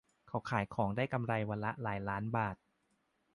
เขาขายของได้กำไรวันละหลายล้านบาท